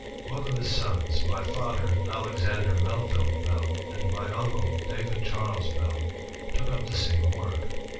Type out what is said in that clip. Both of his sons, — my father, Alexander Melville Bell, and my uncle, David Charles Bell, — took up the same work.